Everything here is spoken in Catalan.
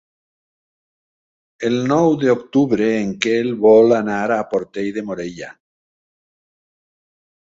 El nou d'octubre en Quel vol anar a Portell de Morella.